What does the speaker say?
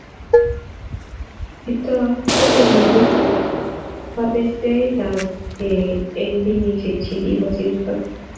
Kiptooo kenyorun kotekaksei beit eng kenyishek che kikosirto